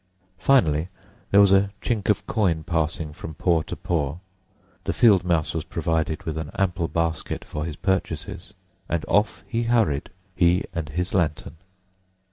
Finally, there was a chink of coin passing from paw to paw, the field mouse was provided with an ample basket for his purchases, and off he hurried, he and his lantern.